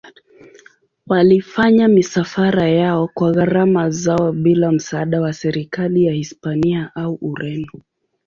Walifanya misafara yao kwa gharama zao bila msaada wa serikali ya Hispania au Ureno.